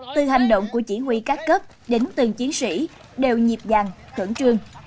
từ hành động của chỉ huy các cấp đến từng chiến sĩ đều nhịp dàng khẩn trương